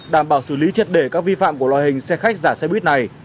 đảm bảo xử lý chết để các vi phạm của loài hình xe khách giả xe buýt này